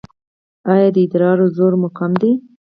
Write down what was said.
ایا د ادرار زور مو کم دی؟